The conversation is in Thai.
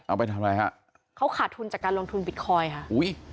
เอาไปทำอะไรฮะเขาขาดทุนจากการลงทุนบิตคอยน์ค่ะอุ้ย